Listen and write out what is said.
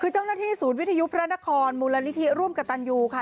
คือเจ้าหน้าที่ศูนย์วิทยุพระนครมูลนิธิร่วมกับตันยูค่ะ